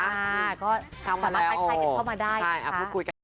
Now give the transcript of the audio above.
ใช่ค่ะก็สามารถไพลกันเข้ามาได้นะคะ